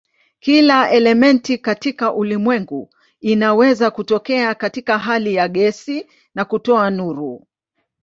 Kila elementi katika ulimwengu inaweza kutokea katika hali ya gesi na kutoa nuru.